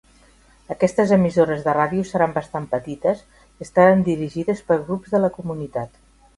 Aquestes emissores de ràdio seran bastant petites i estaran dirigides per grups de la comunitat.